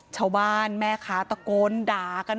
ชาวบ้านแม่ค้าตะโกนด่ากัน